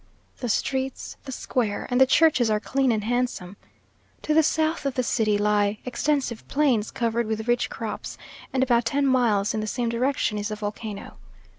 The streets, the square, and the churches are clean and handsome. To the south of the city lie extensive plains covered with rich crops; and about ten miles in the same direction is the volcano.